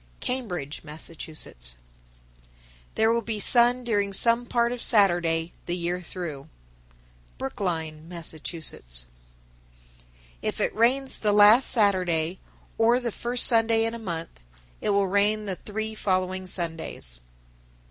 Cambridge, Mass. 941. There will be sun during some part of Saturday the year through. Brookline, Mass. 942. If it rains the last Saturday or the first Sunday in a month, it will rain the three following Sundays.